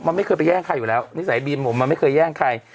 มันไม่เคยไปแย่งใครอยู่แล้วนิสัยบีมผมมันไม่เคยแย่งใคร